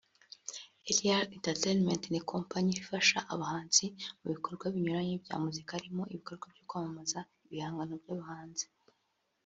Eliel Entertainment ni kompanyi ifasha abahanzi mu bikorwa binyuranye bya muzika harimo ibikorwa byo kwamamaza ibihangano by’abahanzi